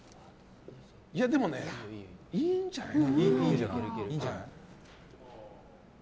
でも、いいんじゃないか。